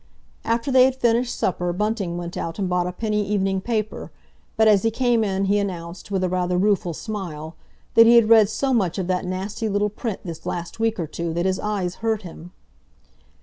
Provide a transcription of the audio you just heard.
After they had finished supper Bunting went out and bought a penny evening paper, but as he came in he announced, with a rather rueful smile, that he had read so much of that nasty little print this last week or two that his eyes hurt him.